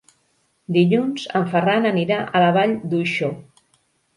Dilluns en Ferran anirà a la Vall d'Uixó.